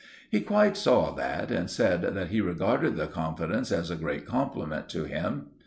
He quite saw that, and said that he regarded the confidence as a great compliment to him.